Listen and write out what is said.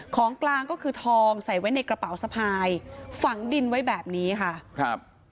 ของกลางก็คือทองใส่ไว้ในกระเป๋าสะพายฝังดินไว้แบบนี้ค่ะครับ